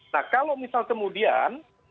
nah kalau misal kemudian